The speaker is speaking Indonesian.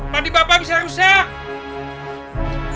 padi bapak bisa rusak